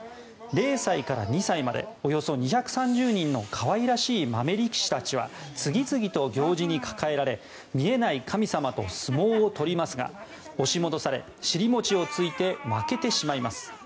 ０歳から２歳までおよそ２３０人の可愛らしい豆力士たちは次々と行事に抱えられ見えない神様と相撲を取りますが押し戻され、尻餅をついて負けてしまいます。